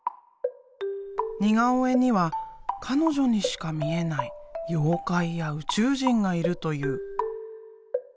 似顔絵には彼女にしか見えない妖怪や宇宙人がいるという。